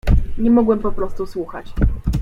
"Nie mogłem poprostu słuchać."